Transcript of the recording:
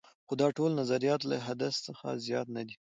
خو دا ټول نظریات له حدس څخه زیات نه دي.